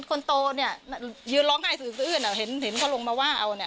คนโตนี่ยืนร้องไห้สื่อเห็นเขาลงมาว่าเอา